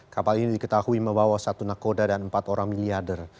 kapal ini diketahui membawa satu nakoda dan empat orang miliarder